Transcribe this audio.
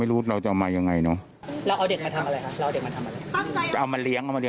ไม่เคยเลยครั้งแรกเลยไม่เกี่ยวเลย